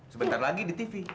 sebentar lagi di tv